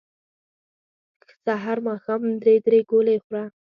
سحر ماښام درې درې ګولۍ خوره